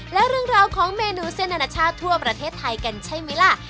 และเรื่องราวของเมนูเส้นอนาชาติทั่วประเทศไทยกันใช่ไหมล่ะ